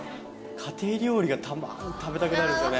家庭料理がたまに食べたくなるんですよね。